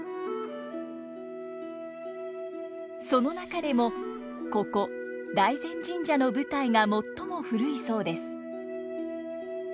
その中でもここ大膳神社の舞台が最も古いそうです。